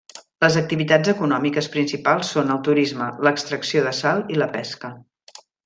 Les activitats econòmiques principals són el turisme, l'extracció de sal i la pesca.